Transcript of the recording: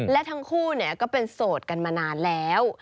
และทั้งคู่ก็เป็นโสดกันมานานแล้ว